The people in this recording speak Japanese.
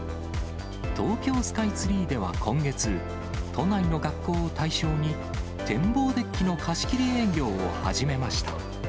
東京スカイツリーでは今月、都内の学校を対象に展望デッキの貸し切り営業を始めました。